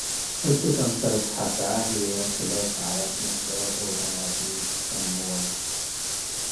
ህቱ ክምሰል ተሐበዐ ህዬ ክልኤ ሰዕረት ነስኦ ወበናቢን ሰምወን ።